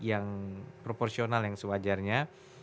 yang proporsional yang sewajarnya